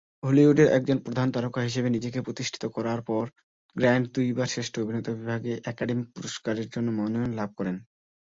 হলিউডের একজন প্রধান তারকা হিসেবে নিজেকে প্রতিষ্ঠিত করার পর গ্র্যান্ট দুইবার শ্রেষ্ঠ অভিনেতা বিভাগে একাডেমি পুরস্কারের জন্য মনোনয়ন লাভ করেন।